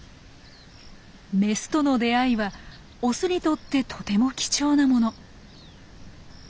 メスとの出会いはオスにとってとても貴重なもの。